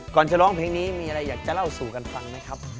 จะร้องเพลงนี้มีอะไรอยากจะเล่าสู่กันฟังไหมครับ